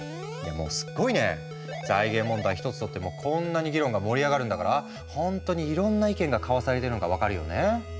財源問題一つとってもこんなに議論が盛り上がるんだからほんとにいろんな意見が交わされてるのが分かるよね。